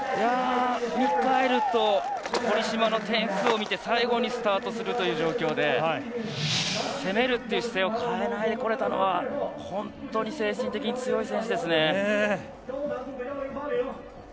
ミカエルと堀島の点数を見て最後にスタートするという状況で攻めるっていう姿勢を変えないでこれたのは本当に精神的に強い選手ですね。